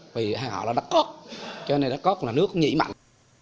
vì hàng họ là đất cóc cho nên đất cóc là nước không nhị mạnh